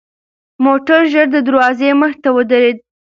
موټر ژر د دروازې مخې ته ودرېد.